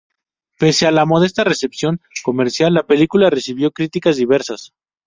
Pese a la modesta recepción comercial, la película recibió críticas diversas.